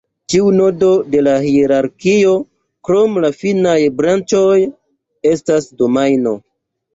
Ĉiu nodo de la hierarkio, krom la finaj branĉoj, estas domajno.